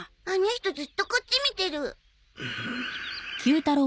あの人ずっとこっち見てる。